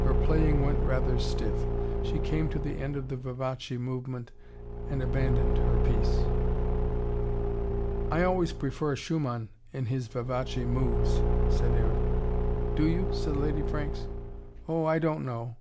Her playing went rather stiff. She came to the end of the vivace movement, and abandoned her piece. "I always prefer Schumann in his vivace moods," said Aaron. "Do you?" said Lady Franks. "Oh, I don't know."